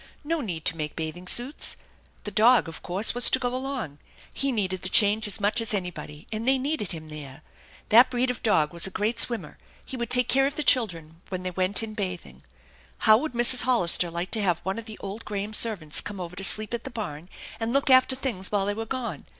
No need to make bathing suits. The dog, of course, was to go along. He needed the change as THE ENCHANTED BARN 223 much as anybody, and they needed him there. That breed oi dog was a great swimmer. He would take care of the children when they went in bathing. How would Mrs. Hollister like to have one of the old Graham servants come over to sleep at the barn and look after things while they were gone